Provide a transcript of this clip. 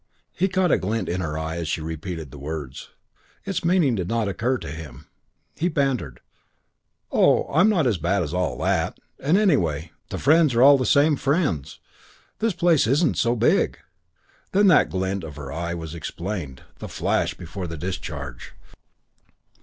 He caught a glint in her eye as she repeated the words. Its meaning did not occur to him. He bantered, "Oh, I'm not as bad as all that. And anyway, the friends are all the same friends. This place isn't so big." Then that quick glint of her eye was explained the flash before the discharge.